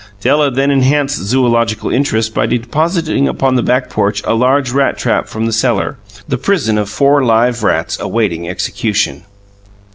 Della then enhanced zoological interest by depositing upon the back porch a large rat trap from the cellar, the prison of four live rats awaiting execution.